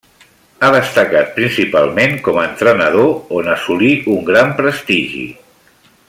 Ha destacat principalment com a entrenador on assolí un gran prestigi.